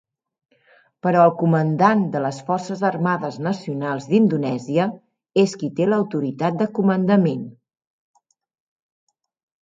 Però el Comandant de les Forces Armades Nacionals d'Indonèsia és qui té l'autoritat de comandament.